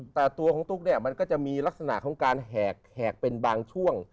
แต่ตัวของตุ๊กเนี่ยมันก็จะมีลักษณะของการแหกเป็นบางช่วง